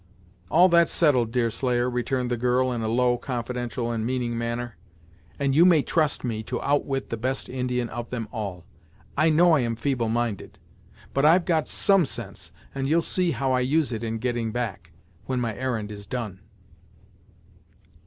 "All that's settled, Deerslayer," returned the girl, in a low, confidential and meaning manner, "and you may trust me to outwit the best Indian of them all. I know I am feeble minded, but I've got some sense, and you'll see how I'll use it in getting back, when my errand is done!"